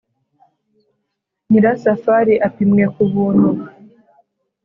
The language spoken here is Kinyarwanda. nyirasafari apimwe k'ubuntu